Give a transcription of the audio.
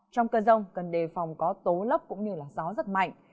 trong cơn rông gần đề phòng có tố lốc cũng như gió giật mạnh